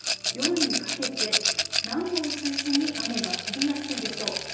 夜にかけて南部を中心に雨が降りやすいでしょう。